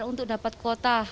susah untuk dapat kuota